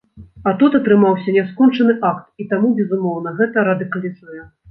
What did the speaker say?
А тут атрымаўся няскончаны акт, і таму, безумоўна, гэта радыкалізуе.